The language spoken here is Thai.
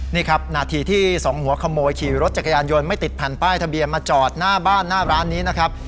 นี่ครับนาทีที่สองหัวขโมยขี่รถจักรยานยนต์ไม่ติดแผ่นป้ายทะเบียนมาจอดหน้าบ้านหน้าร้านนี้นะครับ